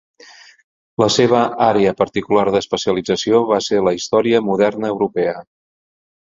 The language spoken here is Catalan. La seva àrea particular d'especialització va ser la història moderna europea.